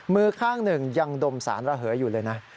มือข้างหนึ่งยังดมสารระเหยอยู่เลยนะ